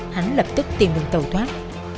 hắn lập tức tìm đường tàu thoát